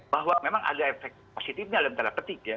bahwa memang ada efek positifnya ada yang terlalu ketik ya